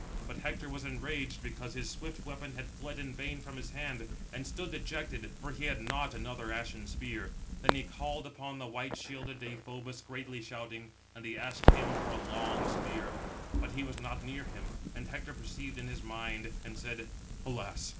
But Hector was enraged because his swift weapon had fled in vain from his hand; and stood dejected, for he had not another ashen spear. Then he called upon the white shielded Deïphobus, greatly shouting, [and] he asked him for a long spear; but he was not near him; and Hector perceived in his mind, and said: "Alas!